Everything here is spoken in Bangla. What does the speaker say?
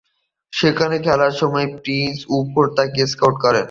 সেখানে খেলার সময় প্রিন্স ওউসু তাকে স্কাউট করেন।